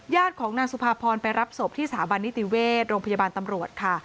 ของนางสุภาพรไปรับศพที่สถาบันนิติเวชโรงพยาบาลตำรวจค่ะ